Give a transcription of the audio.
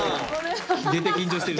絶対緊張してる。